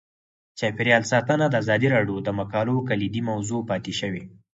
چاپیریال ساتنه د ازادي راډیو د مقالو کلیدي موضوع پاتې شوی.